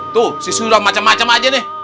tuh si sulam macam macam aja